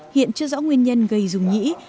hiện chưa rõ nguyên nhân gây dung nhĩ